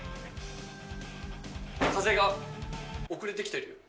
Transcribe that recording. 風が遅れて来てるよ。